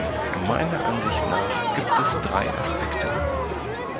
Meiner Ansicht nach gibt es drei Aspekte.